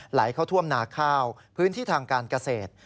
ไหลเข้าท่วมนาข้าวพื้นที่ทางการเกษตร